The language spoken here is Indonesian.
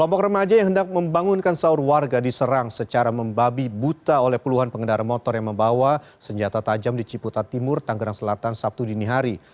pemilu dua ribu dua puluh empat yang hendak membangunkan sahur warga diserang secara membabi buta oleh puluhan pengendara motor yang membawa senjata tajam di ciputat timur tanggerang selatan sabtu dinihari